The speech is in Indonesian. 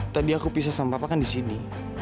tadi aku pisah sama papa kan disini